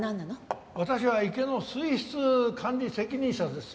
私は池の水質管理責任者です。